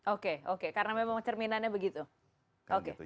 oke oke karena memang cerminannya begitu